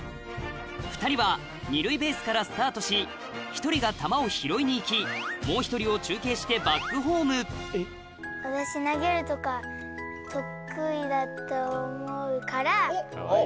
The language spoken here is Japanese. ２人は２塁ベースからスタートし１人が球を拾いに行きもう１人を中継してバックホームなるほど。